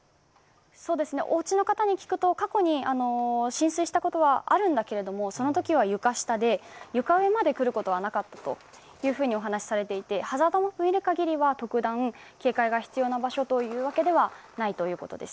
お家の方に聞くと、過去に浸水したことはあるんだけれども、そのときは床下で、床上まで来ることはなかったとお話しされていてハザードマップを見るかぎりは特段、警戒が必要な場所というわけではないみたいです。